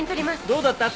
どうだった？